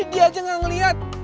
dia aja gak ngeliat